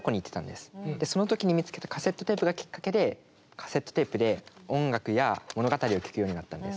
でその時に見つけたカセットテープがきっかけでカセットテープで音楽や物語を聴くようになったんです。